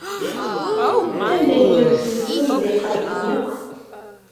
Anda yella usensu ay d-iqerben akk?